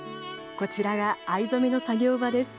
こちらが藍染めの作業場です。